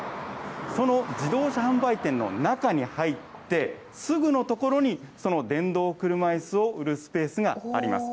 その自動車販売店の中に入ってすぐの所に、その電動車いすを売るスペースがあります。